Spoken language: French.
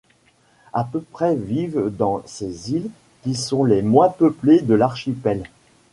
À peu près vivent dans ces îles qui sont les moins peuplées de l'archipel.